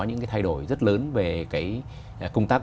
những thay đổi rất lớn về công tác